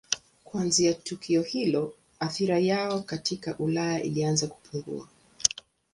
Kuanzia tukio hilo athira yao katika Ulaya ilianza kupungua.